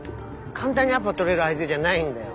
簡単にアポ取れる相手じゃないんだよ。